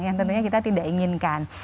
yang tentunya kita tidak inginkan